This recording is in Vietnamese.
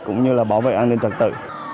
cũng như là bảo vệ an ninh trật tự